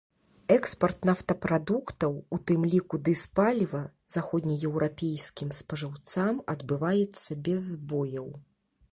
Экспарт нафтапрадуктаў, у тым ліку дызпаліва, заходнееўрапейскім спажыўцам адбываецца без збояў.